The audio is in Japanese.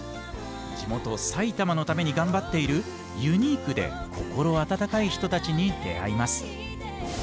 地元・埼玉のために頑張っているユニークで心温かい人達に出会います。